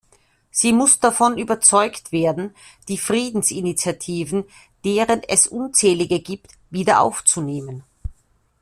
Sie muss davon überzeugt werden, die Friedensinitiativen, deren es unzählige gibt, wieder aufzunehmen.